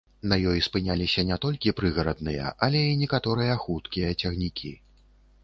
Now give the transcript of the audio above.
На ёй спыняліся не толькі прыгарадныя, але і некаторыя хуткія цягнікі.